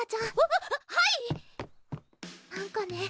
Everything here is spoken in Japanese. わっはいっなんかね